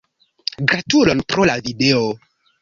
Gratulon pro la video.